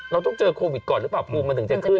เราต้องเจอโควิดก่อนหรือเปล่าภูมิมันถึงจะขึ้น